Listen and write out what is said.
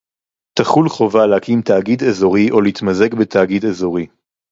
תחול חובה להקים תאגיד אזורי או להתמזג בתאגיד אזורי